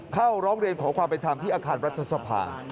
ร้องเรียนขอความเป็นธรรมที่อาคารรัฐสภา